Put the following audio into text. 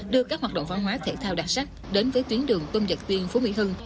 đưa các hoạt động văn hóa thể thao đặc sắc đến với tuyến đường tôn nhật tuyên phú mỹ hưng